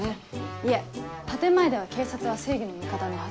いえ建前では警察は正義の味方なはず。